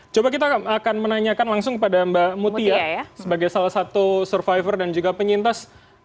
coba kita akan menanyakan langsung kepada mbak mutia sebagai salah satu survivor dan juga penyintas